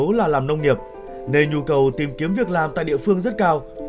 chủ yếu là làm nông nghiệp nên nhu cầu tìm kiếm việc làm tại địa phương rất cao